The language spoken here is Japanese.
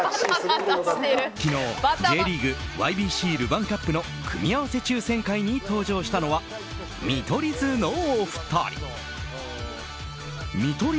昨日、ＪリーグＹＢＣルヴァンカップの組み合わせ抽選会に登場したのは見取り図のお二人。